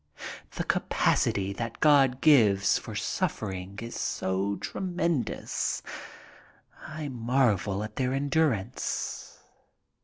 The capacity that God gives for suffering is so tremendous, I marvel at their endurance.